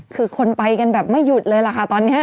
คือคนไปกันแบบไม่หยุดเลยล่ะค่ะตอนนี้